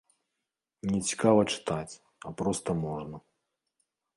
Не цікава чытаць, а проста можна.